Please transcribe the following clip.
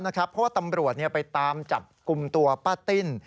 เพราะว่าตำรวจไปตามจับกลุ่มตัวป้าติ้น